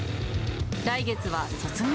来月は卒業。